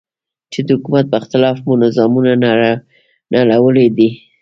چې د حکومت په اختلاف مو نظامونه نړولي دي.